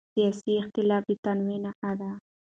سیاسي اختلاف د تنوع نښه ده